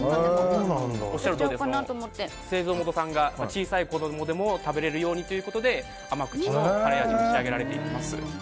おっしゃるとおりで製造元さんが小さい子供でも食べられるように甘口のカレー味に仕上げられています。